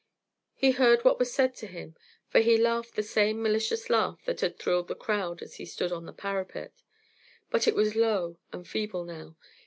He heard what was said to him, for he laughed the same malicious laugh that had thrilled the crowd as he stood on the parapet, but it was low and feeble now.